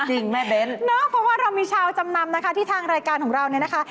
จริงแม่เบ้นเนอะเพราะว่าเรามีชาวจำนำนะคะที่ทางรายการของเราเนี่ยนะคะ